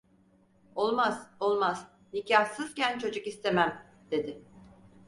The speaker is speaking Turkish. Olmaz, olmaz! Nikahsızken çocuk istemem! dedi.